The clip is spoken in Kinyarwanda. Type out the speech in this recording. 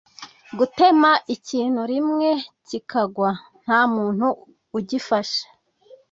gutema ikintu rimwe kikagwa ntamuntu ugifashe